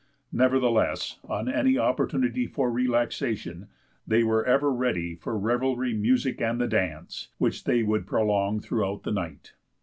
Nevertheless, on any opportunity for relaxation, they were ever ready for revelry, music, and the dance, which they would prolong throughout the night.